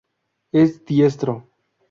Es Diestro.